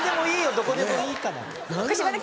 どこでもいいから。